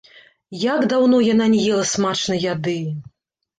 Як даўно яна не ела смачнай яды!